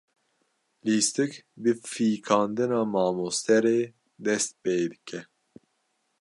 Lîstik bi fîkandina mamoste re dest pê dike.